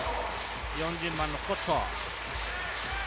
４０番のスコット。